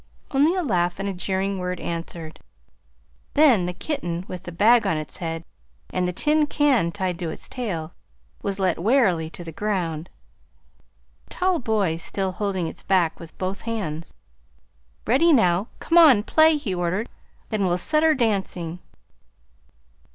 Only a laugh and a jeering word answered. Then the kitten, with the bag on its head and the tin can tied to its tail, was let warily to the ground, the tall boy still holding its back with both hands. "Ready, now! Come on, play," he ordered; "then we'll set her dancing."